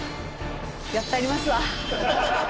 やったりますわ。